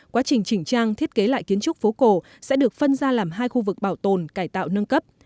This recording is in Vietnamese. quá trình chỉnh trang thiết kế lại kiến trúc phố cổ sẽ được phân ra làm hai khu vực bảo tồn cải tạo nâng cấp